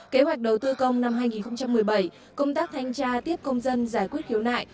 kế hoạch đầu tư công năm hai nghìn một mươi bảy công tác thanh tra tiếp công dân giải quyết khiếu nại